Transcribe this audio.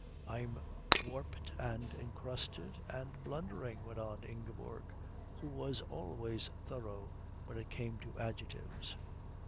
"I'm warped, and encrusted, and blundering," went on Ingeborg, who was always thorough when it came to adjectives.